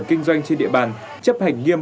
kinh doanh trên địa bàn chấp hành nghiêm